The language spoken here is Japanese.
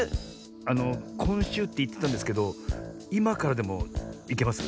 あのこんしゅうっていってたんですけどいまからでもいけます？